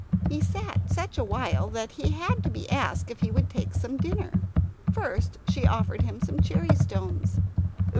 He sat such a while that he had to be asked if he would take some dinner? First she offered him cherry stones.